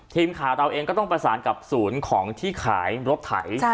ทีมข่าวเราเองก็ต้องประสานกับศูนย์ของที่ขายรถไถ